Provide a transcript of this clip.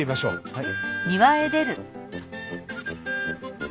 はい。